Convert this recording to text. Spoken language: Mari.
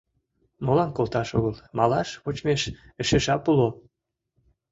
— Молан колташ огыл, малаш вочмеш эше жап уло.